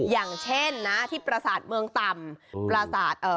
อย่างเช่นนะที่ประสาทเมืองต่ำประสาท